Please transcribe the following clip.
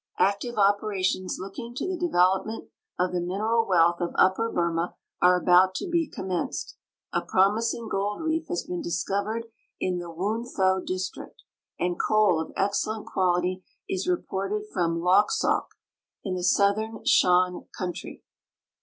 Active operations looking to the development of the mineral wealth of Upper Burma are about to be commenced. A promis ing gold reef has been discovered in the Wuntho district, and coal of ex cellent quality is reported from Lawksawk, in the Southern Shan country.